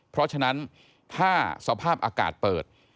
เพราะฉะนั้นถ้าสภาพอากาศเปิด